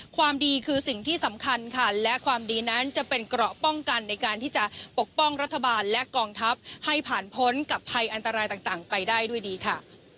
ความดีคือสิ่งที่สำคัญค่ะและความดีนั้นจะเป็นเกราะป้องกันในการที่จะปกป้องรัฐบาลและกองทัพให้ผ่านพ้นกับภัยอันตรายต่างไปได้ด้วยดีค่ะ